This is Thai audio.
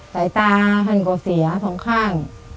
สายตาพันกว่าเสียสองข้าง